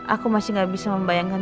aku masih gak bisa membayangkan